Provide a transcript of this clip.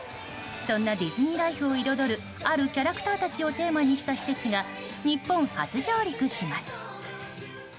そんなディズニーライフを彩るあるキャラクターたちをテーマにした施設が日本初上陸します。